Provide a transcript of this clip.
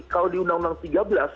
kalau di undang undang tiga belas